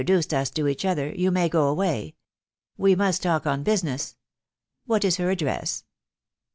duced us to each other, you may go away ; we must talk on business. What is her address